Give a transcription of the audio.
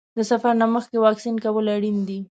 د سفر نه مخکې واکسین کول اړین دي.